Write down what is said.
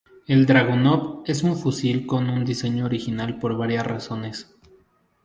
El Dragunov es un fusil con un diseño original por varias razones.